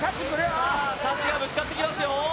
さあシャチがぶつかってきますよ・